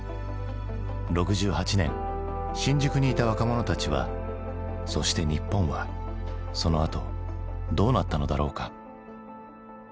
６８年新宿にいた若者たちはそして日本はそのあとどうなったのだろうか？